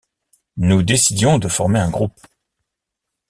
Nous décidions de former un groupe.